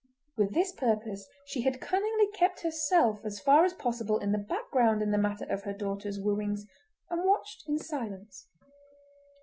With this purpose she had cunningly kept herself as far as possible in the background in the matter of her daughter's wooings, and watched in silence.